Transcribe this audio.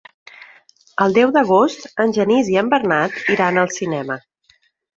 El deu d'agost en Genís i en Bernat iran al cinema.